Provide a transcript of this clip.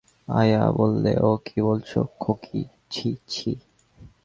আয়া বললে, ও কী বলছ খোঁখী, ছি ছি!